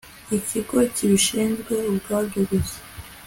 ikigo kibishinzwe ubwabyo gusa